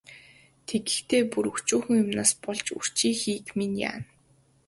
Тэгэхдээ бүр өчүүхэн юмнаас болж үрчийхийг минь яана.